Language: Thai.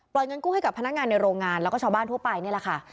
เงินกู้ให้กับพนักงานในโรงงานแล้วก็ชาวบ้านทั่วไปนี่แหละค่ะ